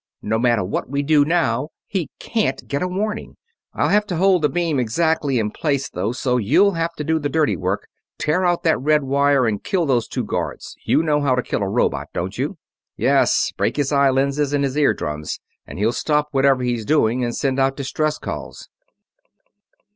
No matter what we do now, he can't get a warning. I'll have to hold the beam exactly in place, though, so you'll have to do the dirty work. Tear out that red wire and kill those two guards. You know how to kill a robot, don't you?" "Yes break his eye lenses and his ear drums and he'll stop whatever he's doing and send out distress calls....